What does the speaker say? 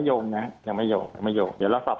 ใช่ไหมครับ